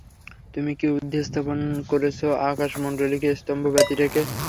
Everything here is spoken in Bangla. তুমিই কি ঊর্ধ্বে স্থাপন করেছ আকাশমণ্ডলীকে স্তম্ভ ব্যতিরেকে?